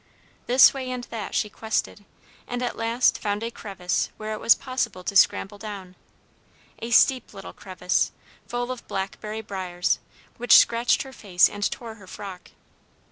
This way and that she quested, and at last found a crevice where it was possible to scramble down, a steep little crevice, full of blackberry briers, which scratched her face and tore her frock.